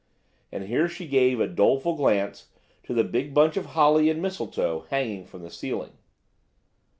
and here she gave a doleful glance to the big bunch of holly and mistletoe hanging from the ceiling.